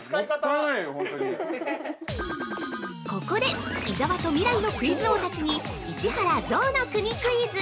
◆ここで伊沢と未来のクイズ王たちに市原ぞうの国クイズ！